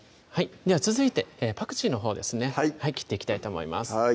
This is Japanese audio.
続いてパクチーのほうですね切っていきたいと思います